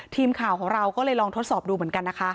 ทีมข่าวของเราก็เลยลองทดสอบดูเหมือนกันนะคะ